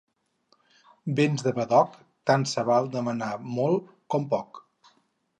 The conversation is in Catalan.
Béns de badoc, tant se val demanar molt com poc.